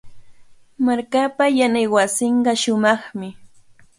Markaapa yachaywasinqa shumaqmi.